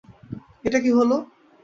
এটা কি হল?